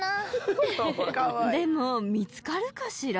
でも見つかるかしら？